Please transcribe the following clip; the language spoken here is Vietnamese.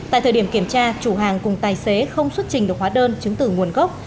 tại thời điểm kiểm tra chủ hàng cùng tài xế không xuất trình được hóa đơn chứng tử nguồn gốc